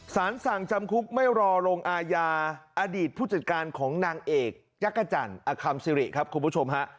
สารสั่งจำคุกไม่รอลงอาญาอดีตผู้จัดการของนางเอกจักรจันทร์อคัมซิริครับคุณผู้ชมฮะ